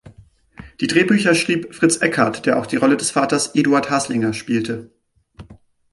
Die Drehbücher schrieb Fritz Eckhardt, der auch die Rolle des Vaters "Eduard Haslinger" spielte.